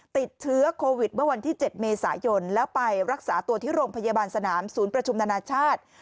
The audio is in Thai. ติดเชื้อโควิดเมื่อวันที่๗เมษายนแล้วไปรักษาตัวที่โรงพยาบาลสนามศูนย์ประชุมนานาชาติ